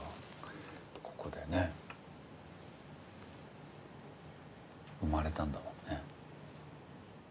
ここでね生まれたんだもんね。